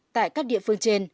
tại các địa phương trên